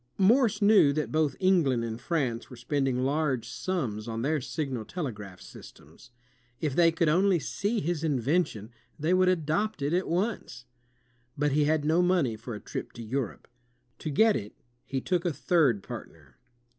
Morse knew that both England and France were spend ing large sums on their signal telegraph systems. If they could only see his invention, they would adopt it at once. But he had no money for a trip to Europe. To get it, he took a third partner.